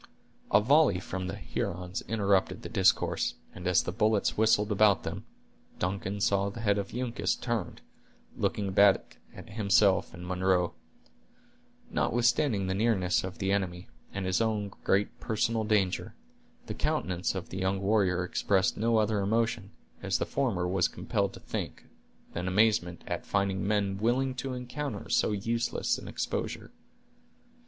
A volley from the Hurons interrupted the discourse, and as the bullets whistled about them, Duncan saw the head of Uncas turned, looking back at himself and Munro. Notwithstanding the nearness of the enemy, and his own great personal danger, the countenance of the young warrior expressed no other emotion, as the former was compelled to think, than amazement at finding men willing to encounter so useless an exposure.